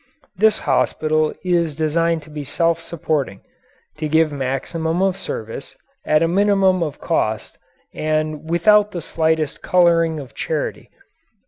This hospital is designed to be self supporting to give a maximum of service at a minimum of cost and without the slightest colouring of charity.